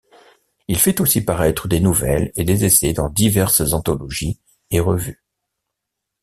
Il fait aussi paraître des nouvelles et des essais dans diverses anthologies et revues.